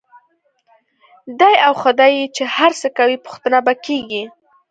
دی او خدای یې چې هر څه کوي، پوښتنه به کېږي.